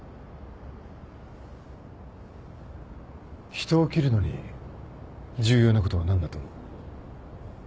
人を切るのに重要なことは何だと思う？